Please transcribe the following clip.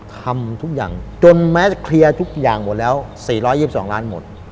ทำทุกอย่างจนแม้จะเคลียร์ทุกอย่างหมดแล้ว๔๒๒ล้านหมด